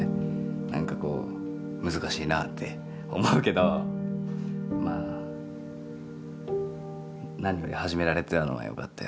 何かこう難しいなあって思うけどまあ何より始められたのはよかったよね。